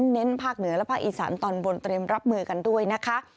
เน้นภาคเหนือและภาคอีสานตอนบนเตรียมรับมือกันด้วยนะคะ